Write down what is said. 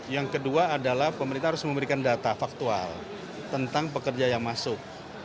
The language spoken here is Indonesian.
yang kedua adalah pemerintah harus memberikan data faktual tentang pekerja yang masuk